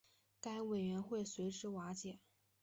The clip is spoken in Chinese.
该委员会随之瓦解。